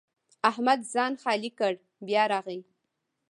احمد ځان خالي کړ؛ بیا راغی.